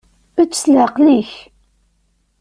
Ečč s leεqel-ik.